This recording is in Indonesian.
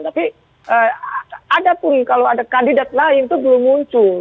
tapi ada pun kalau ada kandidat lain itu belum muncul